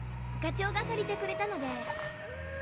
課長が借りてくれたので。